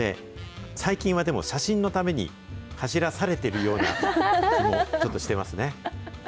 最近はでも、写真のために走らされてるような気もちょっとしてますね。